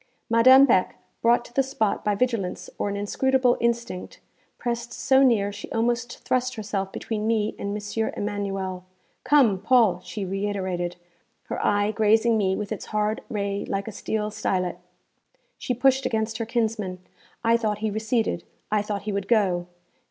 Madame Beck, brought to the spot by vigilance or an inscrutable instinct, pressed so near she almost thrust herself between me and M. Emanuel. 'Come, Paul!' she reiterated, her eye grazing me with its hard ray like a steel stylet. She pushed against her kinsman. I thought he receded; I thought he would go.